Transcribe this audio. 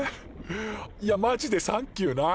いやマジでサンキューな。